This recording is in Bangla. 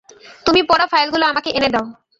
তুমি পড়া ফাইলগুলো আমাকে এনে দাও।